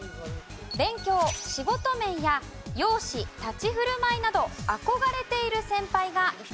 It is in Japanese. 勉強仕事面や容姿立ち振る舞いなど憧れている先輩がいたかどうかです。